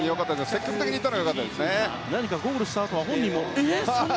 積極的にいったのが良かったですね。